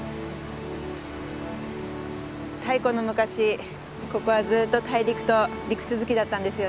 太古の昔ここはずっと大陸と陸続きだったんですよね。